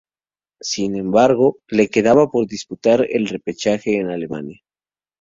Sin embargo, le quedaba por disputar el repechaje en Alemania.